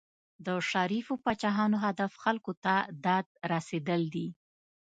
د شریفو پاچاهانو هدف خلکو ته داد رسېدل دي.